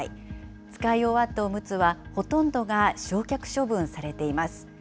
使い終わったおむつはほとんどが焼却処分されています。